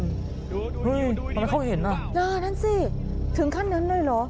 เฮ้ยทำไมเขาเห็นอ่ะอ่านั่นสิถึงขั้นนั้นเลยเหรอ